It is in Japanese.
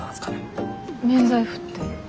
免罪符って？